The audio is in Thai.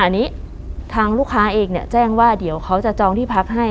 อันนี้ทางลูกค้าเองเนี่ยแจ้งว่าเดี๋ยวเขาจะจองที่พักให้